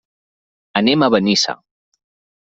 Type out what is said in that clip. Anem a Benissa.